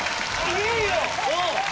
いいよ！